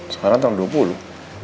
sekarang tahun dua puluh